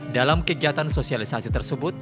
dalam kegiatan sosialisasi tersebut